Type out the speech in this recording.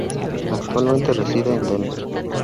Actualmente reside en Denver.